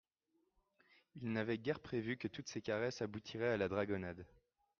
Ils n'avaient guère prévu que toutes ces caresses aboutiraient à la dragonnade.